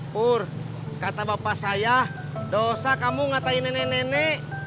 pur kata bapak saya dosa kamu ngatain nenek nenek